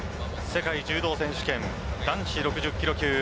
世界柔道選手権男子６０キロ級